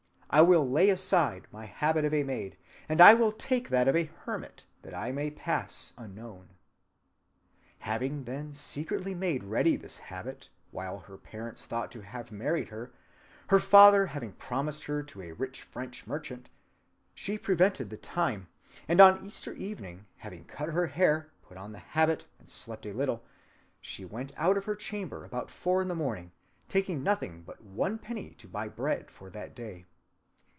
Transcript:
I will lay aside my habit of a maid, and will take that of a hermit that I may pass unknown.' Having then secretly made ready this habit, while her parents thought to have married her, her father having promised her to a rich French merchant, she prevented the time, and on Easter evening, having cut her hair, put on the habit, and slept a little, she went out of her chamber about four in the morning, taking nothing but one penny to buy bread for that day.